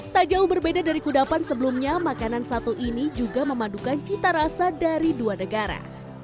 tak jauh berbeda dari kudapan sebelumnya makanan satu ini juga memadukan cita rasa dari dua negara